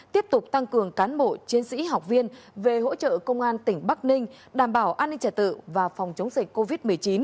tiếp tục tăng cường cán bộ chiến sĩ học viên về hỗ trợ công an tỉnh bắc ninh đảm bảo an ninh trả tự và phòng chống dịch covid một mươi chín